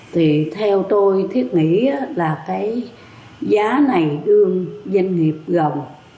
thì theo tôi thiết nghĩ là cái giá này đương doanh nghiệp gồm